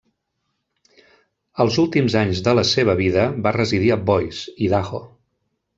Els últims anys de la seva vida va residir a Boise, Idaho.